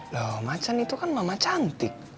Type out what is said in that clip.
loh macan itu kan mama cantik